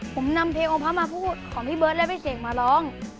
ผมนำเพลงองค์พระมาพูดของพี่เบิร์ตและพี่เสกมาร้อง